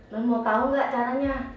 mau tahu nggak caranya